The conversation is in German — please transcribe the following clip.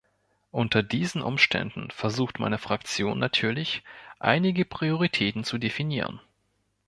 Unter diesen Umständen versucht meine Fraktion natürlich, einige Prioritäten zu definieren.